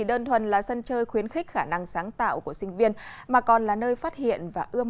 đơn thuần là sân chơi khuyến khích khả năng sáng tạo của sinh viên mà còn là nơi phát hiện và ươm